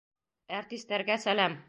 Әртистәргә сәләм!